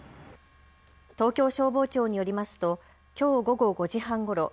東京消防庁によりますときょう午後５時半ごろ